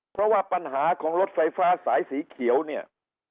เพราะว่าปัญหาของรถไฟฟ้าสายสีเขียวเนี่ย